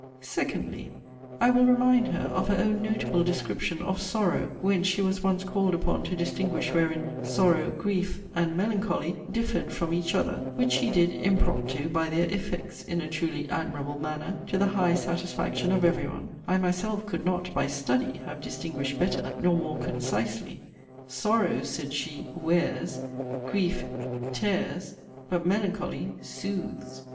SECONDLY, I will remind her of her own notable description of 'sorrow,' whence she was once called upon to distinguish wherein 'sorrow, grief,' and 'melancholy,' differed from each other; which she did 'impromptu,' by their 'effects,' in a truly admirable manner, to the high satisfaction of every one: I myself could not, by 'study,' have distinguished 'better,' nor more 'concisely' SORROW, said she, 'wears'; GRIEF 'tears'; but MELANCHOLY 'sooths.'